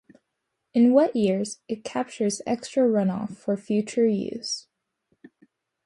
In wet years, it captures extra runoff for future use.